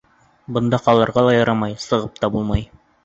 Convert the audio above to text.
Бында ҡалырға ла ярамай, сығып та булмай.